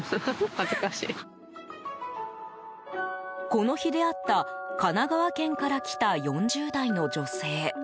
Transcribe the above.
この日出会った神奈川県から来た４０代の女性。